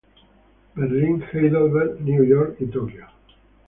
Berlín, Heidelberg, New York, Tokyo.